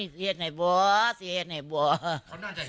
โอ้ยเสียเทศไหมบ่าเสียเทศไหมบ่า